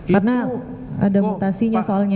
karena ada mutasinya soalnya